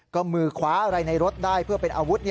ก็มือคว้าอะไรในรถได้เพื่อเป็นอาวุธ